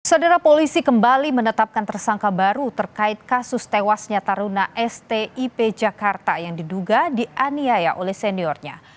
saudara polisi kembali menetapkan tersangka baru terkait kasus tewasnya taruna stip jakarta yang diduga dianiaya oleh seniornya